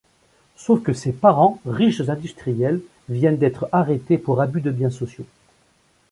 Sauf que ses parents, riches industriels, viennent d'être arrêtés pour abus de biens sociaux.